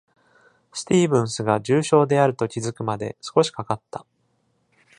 スティーブンスが重症であると気づくまで少しかかった。